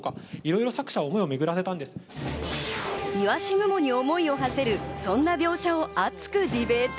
鰯雲に思いをはせる、そんな描写を熱くディベート。